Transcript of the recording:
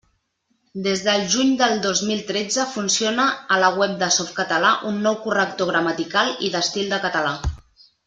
Des del juny del dos mil tretze funciona a la web de Softcatalà un nou corrector gramatical i d'estil de català.